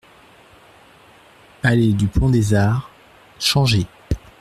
Allée du Pont des Arts, Changé